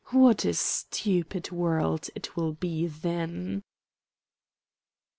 What a stupid world it will be then!"